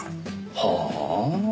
はあ。